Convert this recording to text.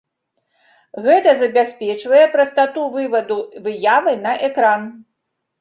Гэта забяспечвае прастату вываду выявы на экран.